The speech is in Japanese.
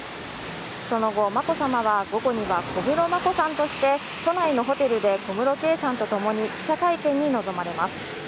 その後、眞子さまは午後には小室眞子さんとして、都内のホテルで小室圭さんと共に記者会見に臨まれます。